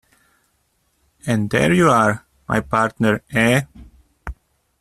And there you are, my partner, eh?